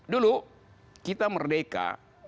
dulu kita merdeka